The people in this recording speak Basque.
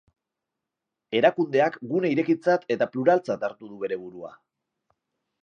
Erakundeak gune irekitzat eta pluraltzat hartu du bere burua.